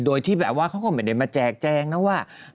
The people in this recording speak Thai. โดยที่แบบว่าเขาก็ไม่ได้มาแจกแจงนะว่า